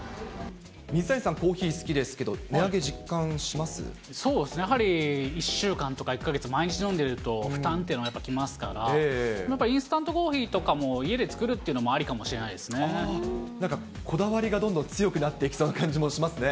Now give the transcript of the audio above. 水谷さん、コーヒー好きですそうっすね、やはり１週間とか、１か月、毎日飲んでると負担っていうのはやっぱきますから、なんかインスタントコーヒーとかも、家で作るというのもありかもしれないですなんか、こだわりがどんどん強くなっていきそうな感じもしますね。